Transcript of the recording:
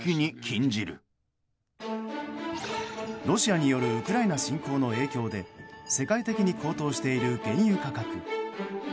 ロシアによるウクライナ侵攻の影響で世界的に高騰している原油価格。